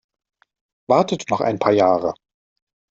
Wartet noch ein paar Jahre!